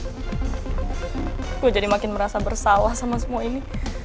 gue jadi makin merasa bersalah sama semua ini